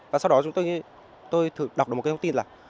và sau đó tôi đọc được một thông tin là